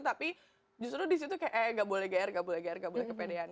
tapi justru disitu kayak eh gak boleh gair gak boleh gair gak boleh kepedean